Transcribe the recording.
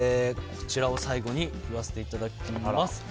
ということで、こちらを最後に言わせていただきます。